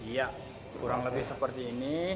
iya kurang lebih seperti ini